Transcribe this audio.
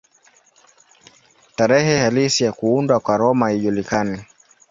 Tarehe halisi ya kuundwa kwa Roma haijulikani.